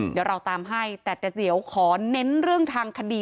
เดี๋ยวเราตามให้แต่เดี๋ยวขอเน้นเรื่องทางคดี